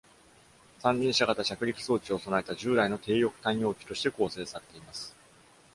三輪車型着陸装置を備えた従来の低翼単葉機として構成されています。